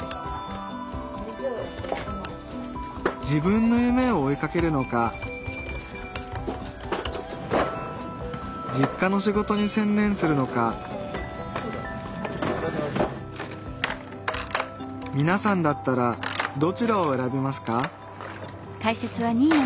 自分の夢を追いかけるのか実家の仕事に専念するのかみなさんだったらどちらを選びますか？